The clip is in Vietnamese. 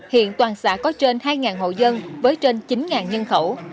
hiện toàn xã có trên hai hộ dân với trên chín nhân khẩu